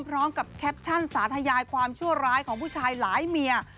พร้อมกับแคปชั่นสาธยายความชั่วร้ายของผู้ชายหลายเมีย